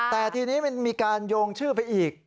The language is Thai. แต่ทีนี้มันมีการโยงชื่อไปอีก